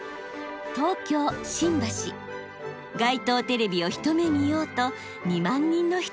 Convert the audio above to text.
街頭テレビを一目見ようと２万人の人だかりが出来ました。